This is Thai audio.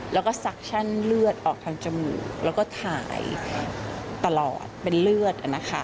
แล้วก็ซักชั่นเลือดออกทางจมูกแล้วก็ถ่ายตลอดเป็นเลือด